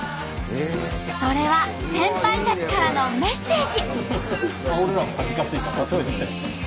それは先輩たちからのメッセージ。